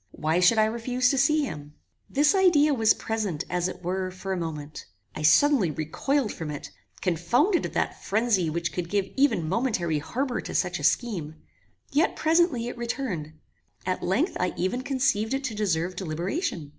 Why should I refuse to see him? This idea was present, as it were, for a moment. I suddenly recoiled from it, confounded at that frenzy which could give even momentary harbour to such a scheme; yet presently it returned. At length I even conceived it to deserve deliberation.